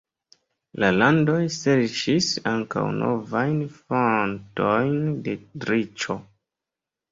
La landoj serĉis ankaŭ novajn fontojn de riĉo.